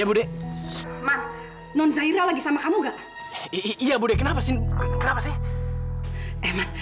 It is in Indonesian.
ya budi nonzair lagi sama kamu enggak iya budi kenapa sih